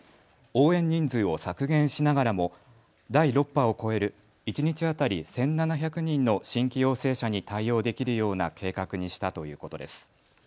応援人数を削減しながらも第６波を超える一日当たり１７００人の新規陽性者に対応できるような計画にしたということです。